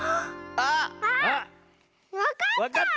あっわかった！